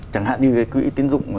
chẳng hạn như cái quỹ tín dụng